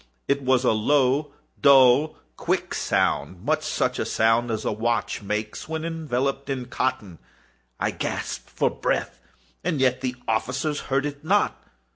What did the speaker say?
It was a low, dull, quick sound—much such a sound as a watch makes when enveloped in cotton. I gasped for breath—and yet the officers heard it not.